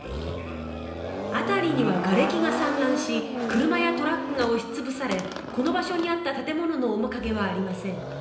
辺りにはがれきが散乱し車やトラックが押し潰されこの場所にあった建物の面影はありません。